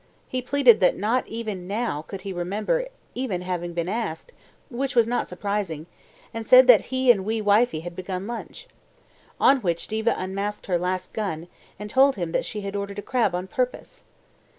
He pleaded that not even now could he remember even having been asked (which was not surprising), and said that he and wee wifie had begun lunch. On which Diva unmasked her last gun, and told him that she had ordered a crab on purpose.